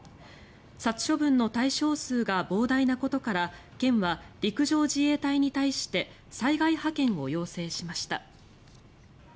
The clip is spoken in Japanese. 殺処分の対象数が膨大なことから県は陸上自衛隊に対して災害派遣を要請しました。